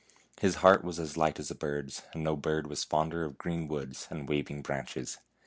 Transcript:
His heart was as light as a bird's, and no bird was fonder of green woods and waving branches.